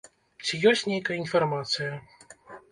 Ці ёсць нейкая інфармацыя?